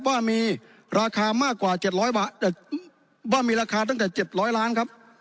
ว่ามีราคามากกว่าเจ็ดร้อยบาทว่ามีราคาตั้งแต่เจ็ดร้อยล้านครับ